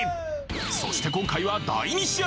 そして今回は第２試合。